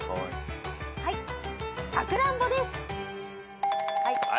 はい。